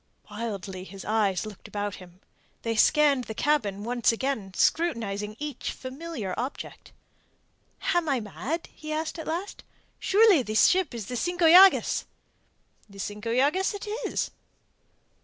Wildly his eyes looked about him. They scanned the cabin once again, scrutinizing each familiar object. "Am I mad?" he asked at last. "Surely this ship is the Cinco Llagas?" "The Cinco Llagas it is."